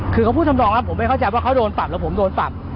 คือเขาพูดทำนองว่าผมไม่เข้าใจว่าเขาโดนปรับแล้วผมโดนปรับ